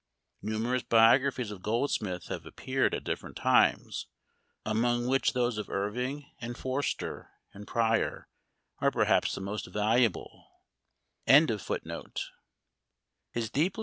Numerous biographies of " Goldsmith " have appeared at different times, among which those of Irving and Forster and Prior are perhaps the most valuable.